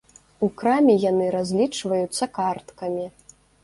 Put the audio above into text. У краме яны разлічваюцца карткамі.